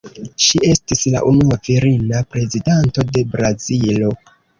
Ŝi estis la unua virina Prezidanto de Brazilo.